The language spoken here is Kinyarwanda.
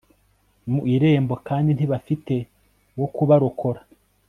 mu irembo Kandi ntibafite uwo kubarokora